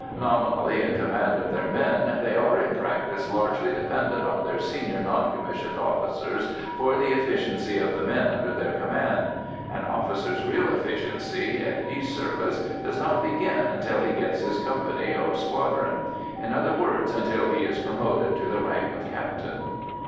Nominally in command of their men, they are in practice largely dependent on their senior non commissioned officers for the efficiency of the men under their command. An officer's real efficiency, in peace service, does not begin until he "gets his company" or squadron: in other words, until he is promoted to the rank of captain.